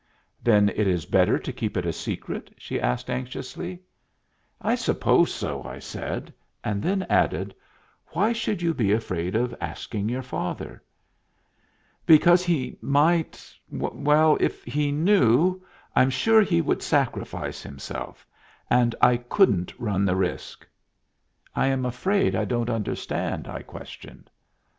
"Then it is better to keep it a secret?" she asked, anxiously. "I suppose so," I said, and then added, "Why should you be afraid of asking your father?" "Because he might well, if he knew, I'm sure he would sacrifice himself; and I couldn't run the risk." "I am afraid I don't understand?" I questioned.